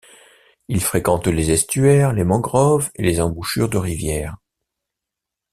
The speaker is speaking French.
Il fréquente les estuaires, les mangroves et les embouchures de rivières.